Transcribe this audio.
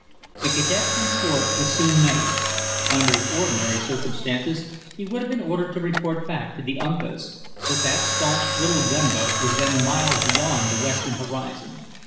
The cadet's report was soon made. Under ordinary circumstances he would have been ordered to report back to the Uncas, but that stanch little gunboat was then miles beyond the western horizon.